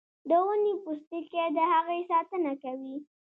د ونې پوستکی د هغې ساتنه کوي